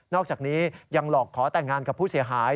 อกจากนี้ยังหลอกขอแต่งงานกับผู้เสียหาย